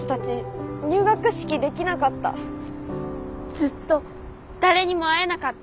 ずっと誰にも会えなかった。